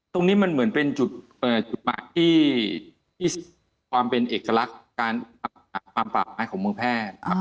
ตรงนี้มันเหมือนเป็นจุดหมายที่ความเป็นเอกลักษณ์การทำฝ่าไม้ของเมืองแพร่